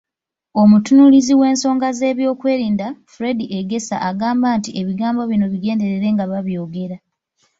Omutunuulizi w'ensonga z'ebyokwerinda, Fred Egesa, agamba nti ebigambo bino bigenderere ng'ababyogera.